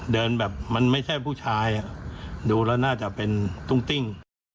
เดินแบบมันไม่ใช่ผู้ชายดูแล้วน่าจะเป็นตุ้งติ้ง